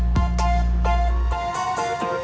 pilih mean bat